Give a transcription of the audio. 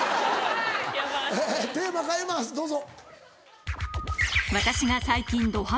ヤバい！えテーマ変えますどうぞ。